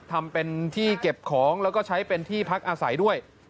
ทำเป็นที่เก็บของแล้วก็ใช้เป็นที่พักอาศัยด้วย